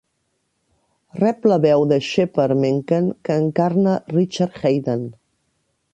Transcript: Rep la veu de Shepard Menken, que encarna Richard Haydn.